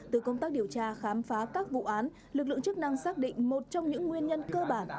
từ công tác điều tra khám phá các vụ án lực lượng chức năng xác định một trong những nguyên nhân cơ bản